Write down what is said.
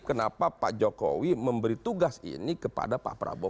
kenapa pak jokowi memberi tugas ini kepada pak prabowo